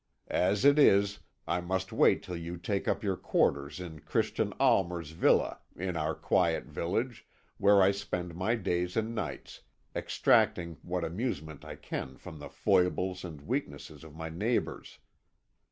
As it is, I must wait till you take up your quarters in Christian Almer's villa in our quiet village, where I spend my days and nights, extracting what amusement I can from the foibles and weaknesses of my neighbours.